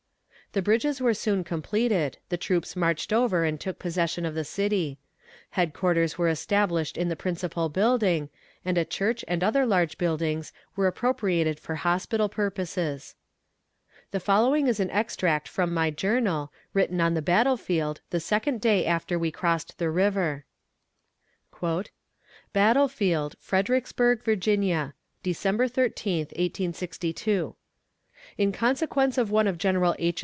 The bridges were soon completed, the troops marched over and took possession of the city. Headquarters were established in the principal building, and a church and other large buildings were appropriated for hospital purposes. The following is an extract from my journal, written on the battlefield the second day after we crossed the river: BATTLE FIELD, FREDERICKSBURG, VA., December 13, 1862. In consequence of one of General H.'